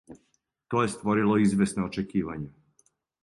То је створило извесна очекивања.